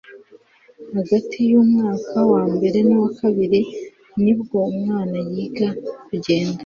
Hagati y'umwaka wa mbere nuwa kabiri nibwo umwana yiga kugenda